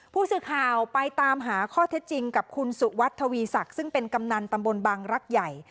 ผู้สื่อข่าวไปตามหาข้อเท็จจริงกับคุณสุวัสดิทวีศักดิ์ซึ่งเป็นกำนันตำบลบางรักใหญ่